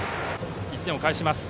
１点を返します。